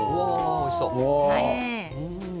おいしそう！